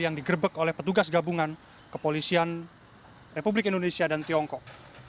yang digerebek oleh petugas gabungan kepolisian republik indonesia dan tiongkok